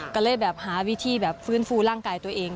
ก็เลยแบบหาวิธีแบบฟื้นฟูร่างกายตัวเอง